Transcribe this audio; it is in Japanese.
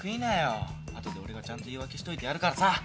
あとで俺がちゃんと言い訳しといてやるからさ。